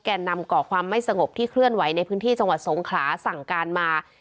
นำก่อความไม่สงบที่เคลื่อนไหวในพื้นที่จังหวัดสงขลาสั่งการมา